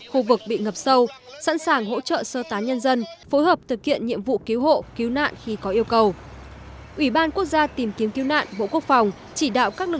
khu vực bị ngập sâu sẵn sàng hỗ trợ sơ tá nhân dân phối hợp thực hiện nhiệm vụ cứu hộ cứu nạn khi có yêu cầu